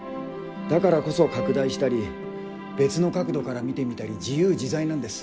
だからこそ拡大したり別の角度から見てみたり自由自在なんです。